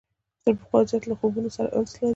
تر پخوا زیات له خوبونو سره انس لري.